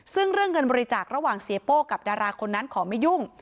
ซึ่งเรื่องเงินบริจาคระหว่างเสียโป้กับดาราคนนั้นขอไม่ยุ่ง